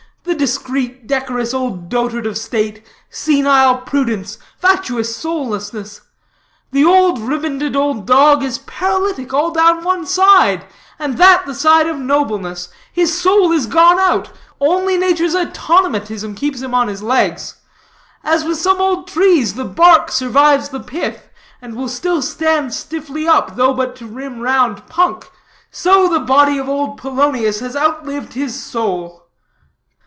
The discreet, decorous, old dotard of state; senile prudence; fatuous soullessness! The ribanded old dog is paralytic all down one side, and that the side of nobleness. His soul is gone out. Only nature's automatonism keeps him on his legs. As with some old trees, the bark survives the pith, and will still stand stiffly up, though but to rim round punk, so the body of old Polonius has outlived his soul."